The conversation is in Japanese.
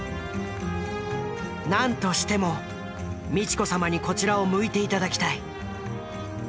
何としても美智子さまにこちらを向いて頂きたい。